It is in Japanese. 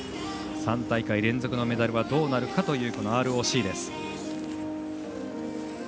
３大会連続のメダルはどうなるかというＲＯＣです。